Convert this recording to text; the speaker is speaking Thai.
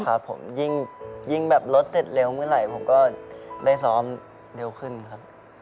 ครับผมยิ่งแบบรถเสร็จเร็วเมื่อไหร่ผมก็ได้ซ้อมเร็วขึ้นครับ